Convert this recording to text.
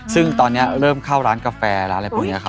ซึ่งตอนนี้เริ่มเข้าร้านกาแฟร้านอะไรพวกนี้ครับ